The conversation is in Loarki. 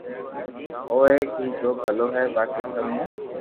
او ايڪ ھي جو ڀلو ھو باقي سب مون